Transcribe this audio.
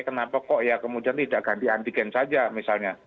kenapa kok ya kemudian tidak ganti antigen saja misalnya